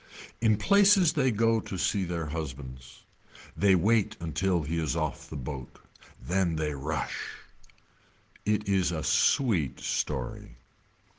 In places they go to see their husbands. They wait until he is off the boat. Then they rush. It is a sweet story.